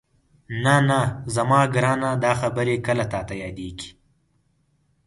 نه نه زما ګرانه دا خبرې کله تاته یادېږي؟